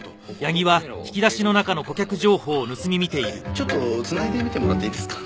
ちょっとつないでみてもらっていいですか？